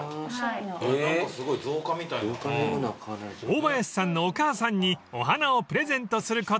［大林さんのお母さんにお花をプレゼントすることに］